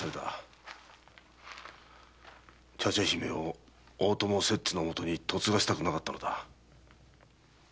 茶々姫を大友摂津のもとに嫁がせたくなかったのだ。